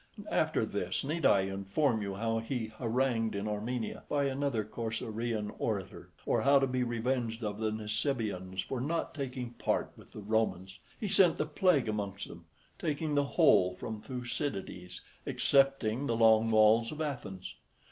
After this, need I inform you how he harangued in Armenia, by another Corcyraean orator? or how, to be revenged of the Nisibaeans for not taking part with the Romans, he sent the plague amongst them, taking the whole from Thucydides, excepting the long walls of Athens.